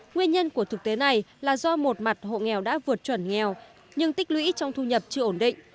nguyên nhân của thực tế này là do một mặt hộ nghèo đã vượt chuẩn nghèo nhưng tích lũy trong thu nhập chưa ổn định